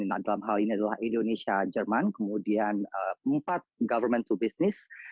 nah dalam hal ini adalah indonesia jerman kemudian empat government to business